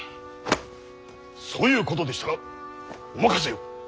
そういうことでしたらお任せを！